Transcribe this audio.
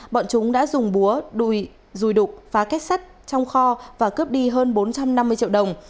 bọn chúng đã dùng búa rùi đục phá kết sắt trong kho và cướp đi hơn bốn trăm năm mươi triệu đồng